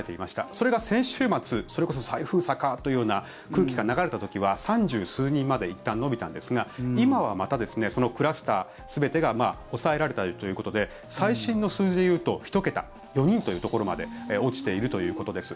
それが先週末それこそ再封鎖かというような空気が流れた時は３０数人までいったん伸びたんですが今はまたクラスター全てが抑えられたということで最新の数字でいうと１桁、４人というところまで落ちているということです。